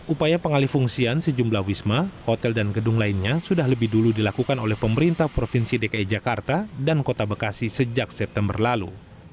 upaya pengalih fungsian sejumlah wisma hotel dan gedung lainnya sudah lebih dulu dilakukan oleh pemerintah provinsi dki jakarta dan kota bekasi sejak september lalu